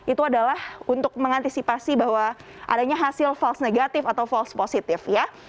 itu adalah untuk mengantisipasi bahwa adanya hasil false negatif atau false positif ya